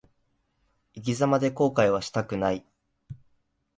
生き様で後悔はしたくない。